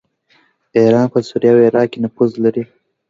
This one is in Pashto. ایران په سوریه او عراق کې نفوذ لري.